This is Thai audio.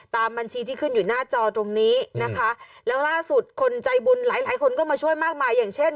ตามบัญชีที่ขึ้นอยู่หน้าจอตรงนี้นะคะแล้วล่าสุดคนใจบุญหลายหลายคนก็มาช่วยมากมายอย่างเช่น